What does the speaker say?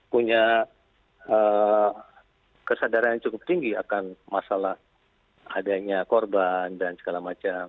punya kesadaran yang cukup tinggi akan masalah adanya korban dan segala macam